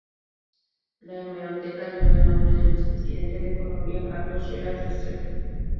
La hemeroteca lleva el nombre del expresidente de Colombia Carlos Lleras Restrepo.